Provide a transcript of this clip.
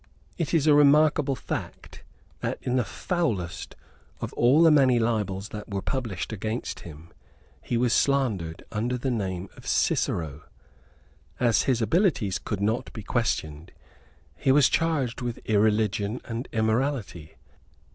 It is a remarkable fact, that, in the foulest of all the many libels that were published against him, he was slandered under the name of Cicero. As his abilities could not be questioned, he was charged with irreligion and immorality.